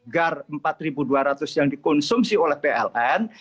gar empat dua ratus yang dikonsumsi oleh pln